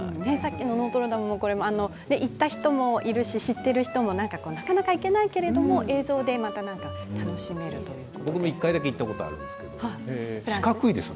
ノートルダムも行った人も知っている人もなかなか行けないけれど映像で楽しめるということで。